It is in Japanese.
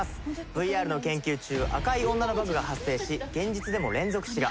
ＶＲの研究中赤い女のバグが発生し現実でも連続死が。